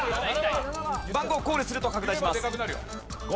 番号をコールすると拡大します。